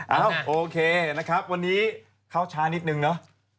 โอเคนะครับวันนี้เข้าช้านิดนึงเนอะ